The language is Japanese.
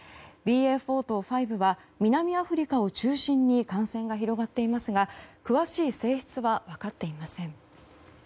ＢＡ．４と５は南アフリカを中心に感染が広がっていますが詳しい性質は分かっていません。